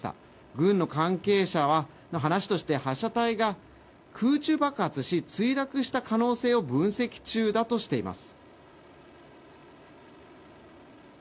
軍の関係者の話として発射体が空中爆発して墜落した可能性を分析中だとしています。